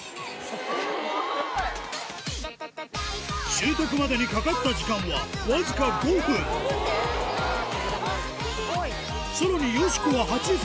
習得までにかかった時間はわずか５分さらによしこは８分